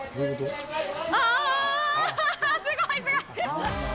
ああ、すごい、すごい。